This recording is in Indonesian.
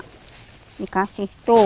kasih sedekah itu